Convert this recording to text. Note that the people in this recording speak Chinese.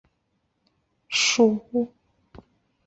锯灰蝶属是灰蝶科眼灰蝶亚科中的一个属。